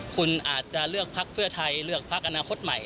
คุณอาจจะเลือกพักเพื่อไทยเลือกพักอนาคตใหม่